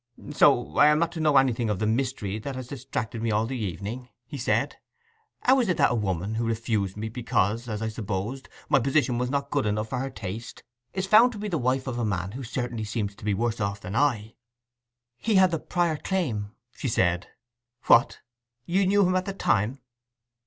'So I am not to know anything of the mystery that has distracted me all the evening?' he said. 'How is it that a woman, who refused me because (as I supposed) my position was not good enough for her taste, is found to be the wife of a man who certainly seems to be worse off than I?' 'He had the prior claim,' said she. 'What! you knew him at that time?